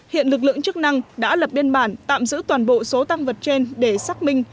hiện lực lượng chức năng đã lập biên bản tạm giữ toàn bộ số tăng vật trên để xác minh